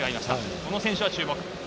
この選手は注目。